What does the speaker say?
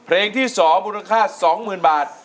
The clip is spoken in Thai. เพลงที่สองมูลค่าสองหมื่นบาท